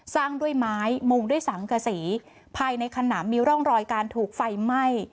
ด้วยไม้มุงด้วยสังกษีภายในขนำมีร่องรอยการถูกไฟไหม้